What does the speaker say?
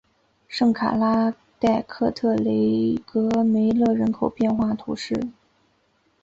圣卡拉代克特雷戈梅勒人口变化图示